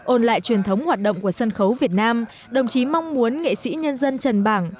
ôn lại truyền thống hoạt động của sân khấu việt nam đồng chí mong muốn nghệ sĩ nhân dân trần bảng